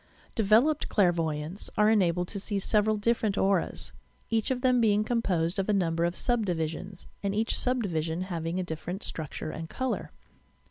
Developed clairvoyants are enabled to see several dif ferent auras,— each of them being composed of a number of sub divisions, and each sub division having a different structure and colour.